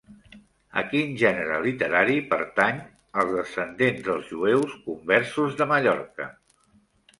A quin gènere literari pertany Els descendents dels Jueus Conversos de Mallorca?